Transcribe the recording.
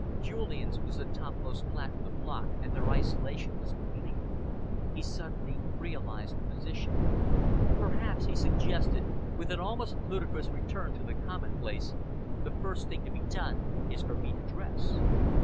Julian's was the topmost flat in the block, and their isolation was complete. He suddenly realised the position. "Perhaps," he suggested, with an almost ludicrous return to the commonplace, "the first thing to be done is for me to dress."